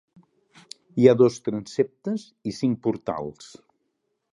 Hi ha dos transseptes i cinc portals.